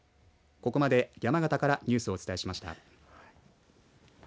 ここまで、山形からニュースをお伝えしました。